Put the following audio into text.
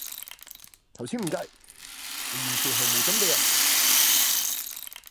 頭先唔計！我完全毫無準備啊！